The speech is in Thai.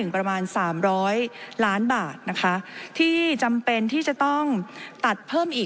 ประมาณ๓๐๐ล้านบาทนะคะที่จำเป็นที่จะต้องตัดเพิ่มอีก